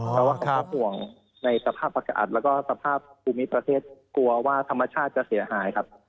แต่ว่าเขาก็ห่วงในสภาพอากาศแล้วก็สภาพภูมิประเทศกลัวว่าธรรมชาติจะเสียหายครับ